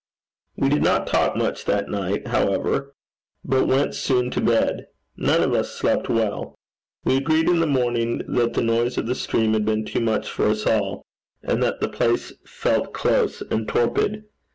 We did not talk much that night, however, but went soon to bed. None of us slept well. We agreed in the morning that the noise of the stream had been too much for us all, and that the place felt close and torpid.